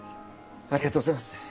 ありがとうございます